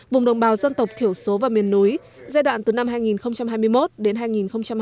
vùng đồng bào dân tộc thiểu số và miền núi giai đoạn từ năm hai nghìn hai mươi một đến hai nghìn hai mươi năm